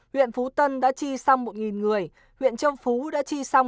huyện phú tân đã tri xong một người huyện châu phú đã tri xong năm mươi